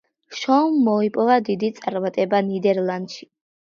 შოუმ მოიპოვა დიდი წარმატება ნიდერლანდში.